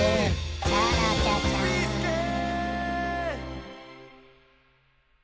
「チャラチャチャン」「」